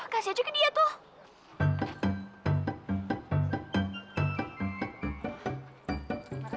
kasih aja ke dia tuh